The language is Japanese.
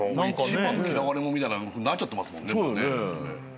一番の嫌われ者みたいになっちゃってますもんね。